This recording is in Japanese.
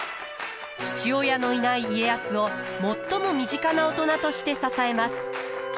父親のいない家康を最も身近な大人として支えます。